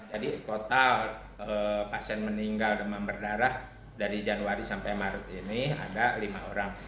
jadi total pasien meninggal dengan berdarah dari januari sampai maret ini ada lima orang